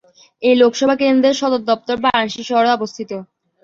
এই লোকসভা কেন্দ্রের সদর দফতর বারাণসী শহরে অবস্থিত।